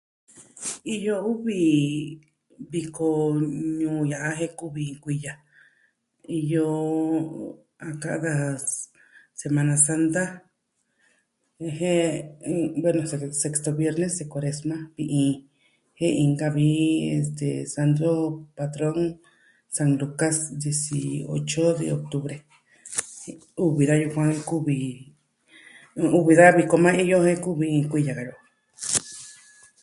Iyo uvi viko... ñuu ya'a jen kuvi kuiya Iyo a ka'an daja semana santa. Jen ve ni sexto viernes de cuaresma vi'i. Jen vi... este, santo patrono san Lucas dieciocho de octubre. Uvi da yukuan kuvi, un un vi da viko ma iyo ñuu kuvi iin kuiya o.